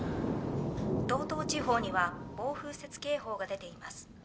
道東地方には暴風雪警報が出ています。